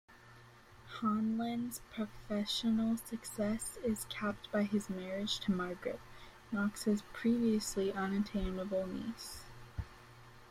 Hanlan's professional success is capped by his marriage to Margaret, Knox's previously unattainable niece.